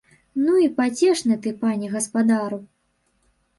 Ну і пацешны ты, пане гаспадару!